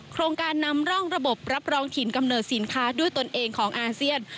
โครงการนำร่องระบบรับรองถิ่นกำเนิดสินค้าด้วยตนเองของอาเซียน